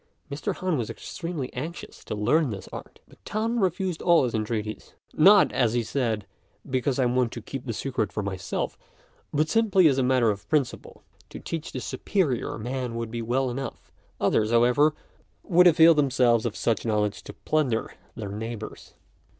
Mr. Han was extremely anxious to learn this art, but Tan refused all his entreaties, "Not," as he said, "because I want to keep the secret for myself, but simply as a matter of principle. To teach the superior man would be well enough; others, however, would avail themselves of such knowledge to plunder their neighbours.